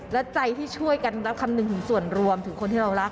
และใจที่ช่วยกันรับคำนึงถึงส่วนรวมถึงคนที่เรารัก